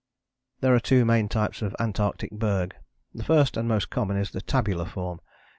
There are two main types of Antarctic berg. The first and most common is the tabular form.